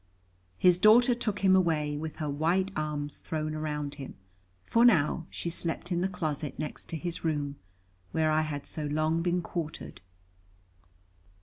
His daughter took him away, with her white arms thrown around him. For now she slept in the closet next to his room, where I had so long been quartered.